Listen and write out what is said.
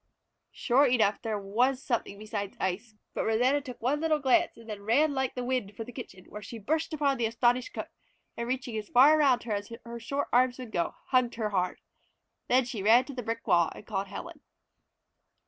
Sure enough there was something besides ice, but Rosanna took one little glance and then ran like the wind for the kitchen, where she burst upon the astonished cook, and reaching as far around her as her short arms would go, hugged her hard. Then she ran to the brick wall and called Helen.